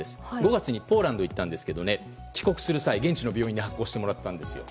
５月にポーランド行ったんですが帰国する際に現地の病院で発行してもらったんですよ。